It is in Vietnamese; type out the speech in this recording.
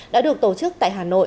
đã được tổ chức tại hà nội